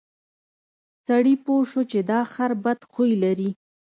سړي پوه شو چې دا خر بد خوی لري.